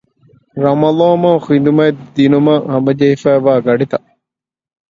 ރަމަޟާންމަހު ޚިދުމަތް ދިނުމަށް ހަމަޖެހިފައިވާ ގަޑިތައް